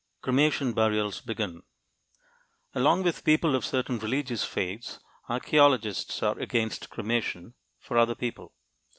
CREMATION BURIALS BEGIN Along with people of certain religious faiths, archeologists are against cremation (for other people!).